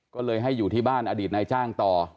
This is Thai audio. ก็เลยให้อยู่ที่บ้านอดีตนายจ้างต่อ